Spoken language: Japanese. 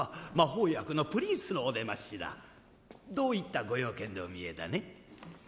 魔法薬のプリンスのお出ましだどういったご用件でおみえだね？